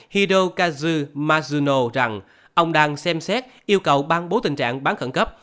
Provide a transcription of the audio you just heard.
hidokazu matsuno rằng ông đang xem xét yêu cầu ban bố tình trạng bán khẩn cấp